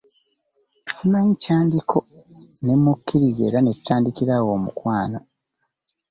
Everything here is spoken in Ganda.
Simanyi kyandiko ne mmukkiriza era ne tutandikira awo omukwano.